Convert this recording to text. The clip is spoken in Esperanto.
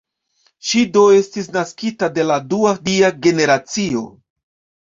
Ŝi do estis naskita de la dua dia generacio.